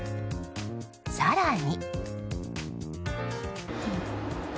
更に。